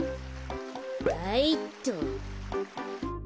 はいっと。